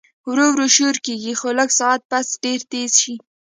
ورو ورو شورو کيږي خو لږ ساعت پس ډېر تېز شي